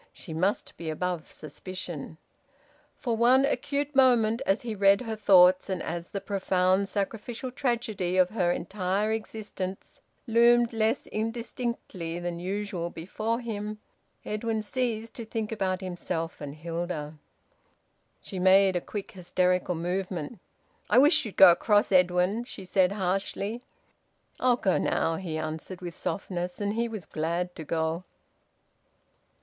She must be above suspicion. For one acute moment, as he read her thoughts and as the profound sacrificial tragedy of her entire existence loomed less indistinctly than usual before him, Edwin ceased to think about himself and Hilda. She made a quick hysterical movement. "I wish you'd go across, Edwin," she said harshly. "I'll go now," he answered, with softness. And he was glad to go.